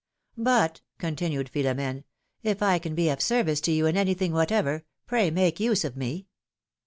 '^ ^^But,'^ continued Philom^ne, ^^if I can be of service to you in anything whatever, pray make use of ine.